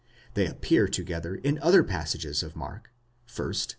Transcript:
They appear to gether in other passages of Mark; first (i.